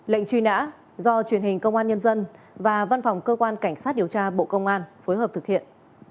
lệnh truy nã do truyền hình công an nhân dân và văn phòng cơ quan cảnh sát điều tra bộ công an phối hợp thực hiện